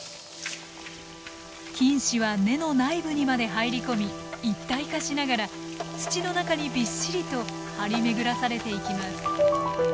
菌糸は根の内部にまで入り込み一体化しながら土の中にびっしりと張り巡らされていきます。